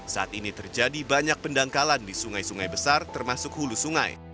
saat ini terjadi banyak pendangkalan di sungai sungai besar termasuk hulu sungai